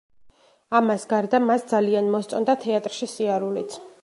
ამას გარდა მას ძალიან მოსწონდა თეატრში სიარულიც.